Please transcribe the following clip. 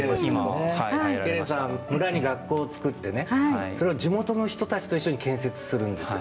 ケレさんは村に学校を作ってそれを地元の人たちと建設するんですよ。